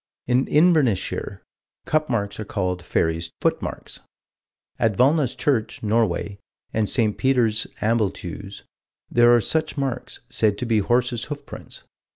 In Inverness shire, cup marks are called "fairies' footmarks." At Valna's church, Norway, and St. Peter's, Ambleteuse, there are such marks, said to be horses' hoofprints.